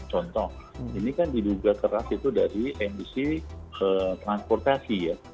contoh ini kan diduga keras itu dari emisi transportasi ya